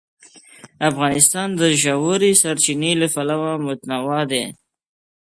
افغانستان د ژورې سرچینې له پلوه متنوع دی.